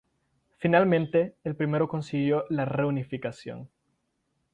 Finalmente, el primero consiguió la reunificación.